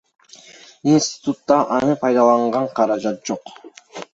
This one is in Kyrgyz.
Институтта аны пайдаланганга каражат жок.